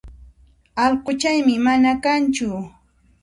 Allquchaymi mana kanchu